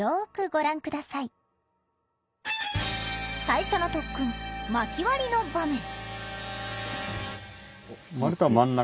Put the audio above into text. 最初の特訓まき割りの場面。